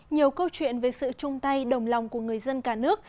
nhiều câu chuyện về sự chung tay đồng lòng của người dân cả nước